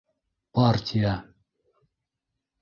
Партия...